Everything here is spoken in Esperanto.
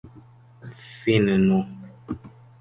finno